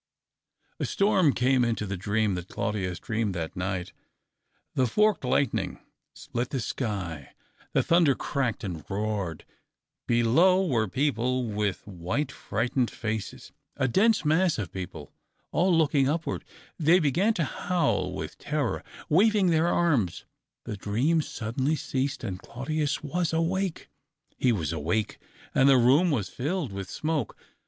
A storm came into the dream that Claudius dreamed that night. The forked lightning split the sky, the thunder cracked and roared. Below were people with white, frightened faces — a dense mass of people, all looking upward. They began to howl with terror, waving their arms. The dream suddenly ceased, and Claudius w^as awake. He was awake, and the room was filled with smoke.